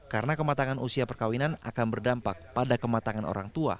karena kematangan usia perkawinan akan berdampak pada kematangan orang tua